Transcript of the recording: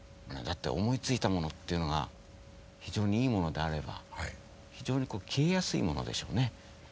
思いついたものっていうのが非常にいいものであれば非常に消えやすいものでしょうね。